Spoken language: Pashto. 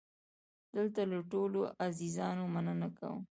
دلته له ټولو عزیزانو مننه کوم.